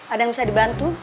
ada yang bisa dibantu